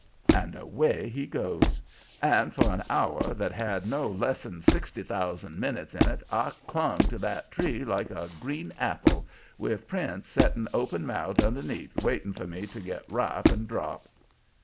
"And away he goes; and for an hour that had no less'n sixty thousand minutes in it I clung to that tree like a green apple, with Prince setting open mouthed underneath waiting for me to get ripe and drop.